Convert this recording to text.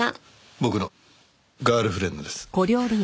僕のガールフレンドです。